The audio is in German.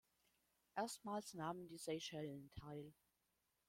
Erstmals nahmen die Seychellen teil.